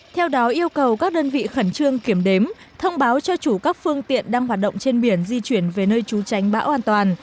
theo đó yêu cầu các đơn vị khẩn trương kiểm đếm thông báo cho chủ các phương tiện đang hoạt động trên biển di chuyển về nơi trú tránh bão an toàn